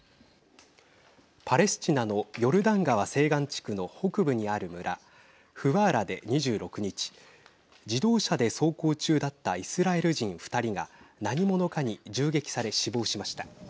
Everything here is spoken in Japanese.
パレスチナのヨルダン川西岸地区の北部にある村フワーラで２６日自動車で走行中だったイスラエル人２人が何者かに銃撃され死亡しました。